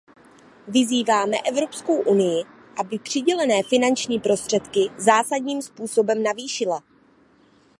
Vyzýváme Evropskou unii, aby přidělené finanční prostředky zásadním způsobem navýšila.